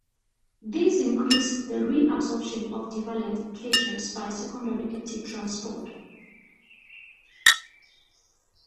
This increases the reabsorption of divalent cations by secondary active transport.